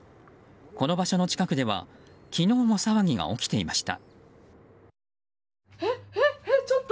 この場所の近くでは昨日も騒ぎが起きていました。